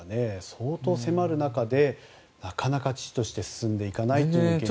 相当、迫る中でなかなか遅々として進んでいかないという現状。